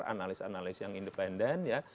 analis analis yang independen ya